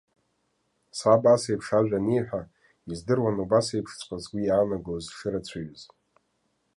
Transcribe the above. Саб асеиԥш ажәа аниҳәа, издыруан убасеиԥшҵәҟьа згәы иаанагоз шырацәаҩыз.